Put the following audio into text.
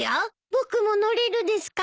僕も乗れるですか？